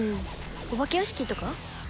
お化け屋敷とか？